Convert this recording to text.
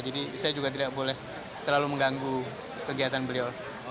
jadi saya juga tidak boleh terlalu mengganggu kegiatan beliau